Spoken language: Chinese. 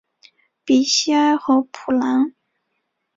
比西埃和普兰。